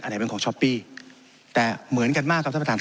ไหนเป็นของช้อปปี้แต่เหมือนกันมากครับท่านประธาน